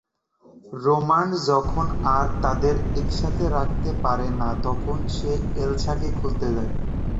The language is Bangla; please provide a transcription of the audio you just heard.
রেমন্ড যখন আর তাদের একসাথে রাখতে পারে না, তখন সে এলসাকে খুঁজতে যায়।